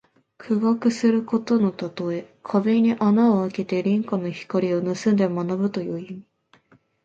苦学することのたとえ。壁に穴をあけて隣家の光をぬすんで学ぶという意味。